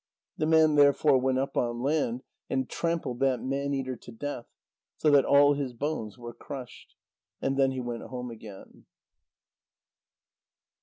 The man therefore went up on land and trampled that man eater to death, so that all his bones were crushed. And then he went home again.